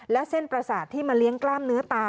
และเส้นประสาทที่มาเลี้ยงกล้ามเนื้อตา